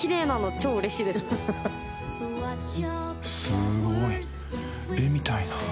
［すごい絵みたいな］